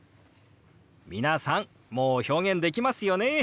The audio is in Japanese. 皆さんもう表現できますよね。